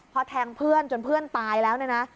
เพราะแทงเพื่อนจนเพื่อนตายแล้วนะนะ